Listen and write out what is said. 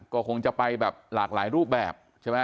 ก็คงจะไปแบบหลากหลายรูปแบบใช่ไหม